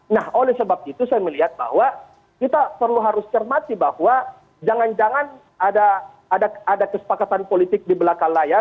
nah oleh sebab itu saya melihat bahwa kita perlu harus cermati bahwa jangan jangan ada kesepakatan politik di belakang layar